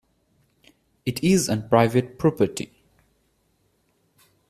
It is on private property.